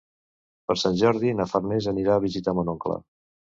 Per Sant Jordi na Farners anirà a visitar mon oncle.